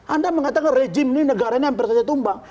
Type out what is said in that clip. anda mengatakan rejim ini negaranya hampir saja tumbang